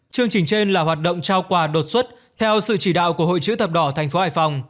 chương trình trên là hoạt động trao quà đột xuất theo sự chỉ đạo của hội chữ thập đỏ tp hải phòng